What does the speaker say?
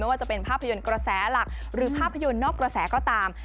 ว่าจะเป็นภาพยนตร์กระแสหลักหรือภาพยนตร์นอกกระแสก็ตาม